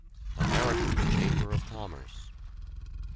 AMERICAN CHAMBER OF COMMERCE.